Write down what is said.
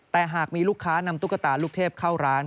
แต่หากมีลูกค้านำตุ๊กตาลูกเทพเข้าร้าน